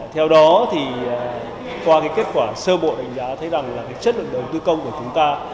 theo đó qua kết quả sơ bộ đánh giá thấy rằng chất lượng đầu tư công của chúng ta